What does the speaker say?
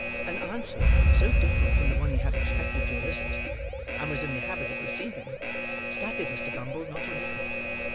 An answer so different from the one he had expected to elicit, and was in the habit of receiving, staggered Mr. Bumble not a little.